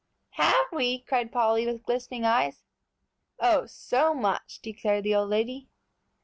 "Have we?" cried Polly, with glistening eyes. "Oh, so much!" declared the old lady.